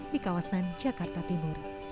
di kawasan jakarta timur